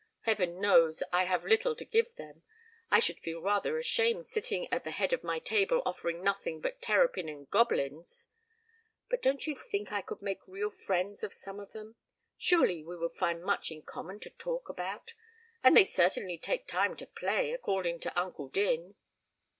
Heaven knows I have little to give them. I should feel rather ashamed sitting at the head of my table offering nothing but terrapin and Gobelins. But don't you think I could make real friends of some of them? Surely we would find much in common to talk about and they certainly take time to play, according to Uncle Din."